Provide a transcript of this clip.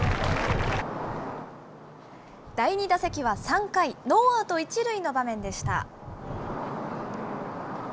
第２打席は３回、ノーアウト１塁の場面でした。